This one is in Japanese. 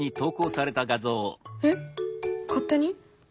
えっ勝手に？